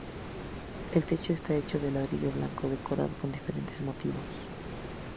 El techo está hecho de ladrillo blanco decorado con diferentes motivos.